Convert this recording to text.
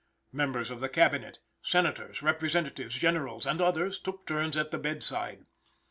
Members of the cabinet, senators, representatives, generals, and others, took turns at the bedside.